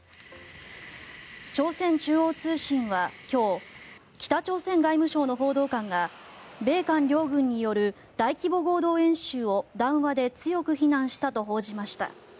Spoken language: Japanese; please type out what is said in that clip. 朝鮮中央通信は今日北朝鮮外務省の報道官が米韓両軍による大規模合同演習を談話で強く非難したと報じました。